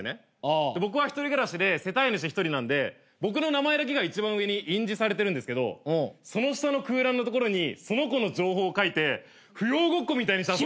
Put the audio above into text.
僕は１人暮らしで世帯主１人なんで僕の名前だけが一番上に印字されてるんですけどその下の空欄の所にその子の情報を書いて扶養ごっこみたいにして遊んでる。